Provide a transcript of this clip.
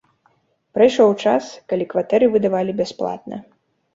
Прайшоў час, калі кватэры выдавалі бясплатна.